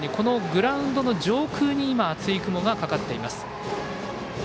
グラウンドの上空に厚い雲がかかっています。